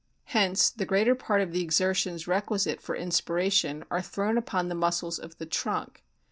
Hence the greater part of the exer tions requisite for inspiration are thrown upon the muscles of the trunk.